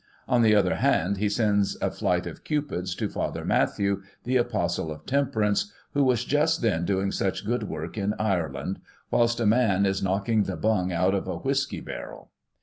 On the other hand, he sends a flight of Cupids to Father Mathew, the apostle of Temperance, who was then doing such good work in Ireland, whilst a man is knocking the bung out of a whisky barrel.